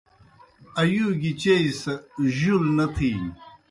ایُوگیْ چیئی سہ جُول نہ تِھینیْ۔